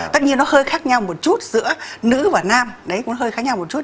tất nhiên nó hơi khác nhau một chút giữa nữ và nam đấy cũng hơi khác nhau một chút